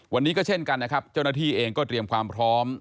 วันนี้ก็เช่นกันนะครับเจ้าหน้าที่เองก็เตรียมความพร้อม